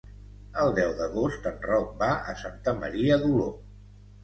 El deu d'agost en Roc va a Santa Maria d'Oló.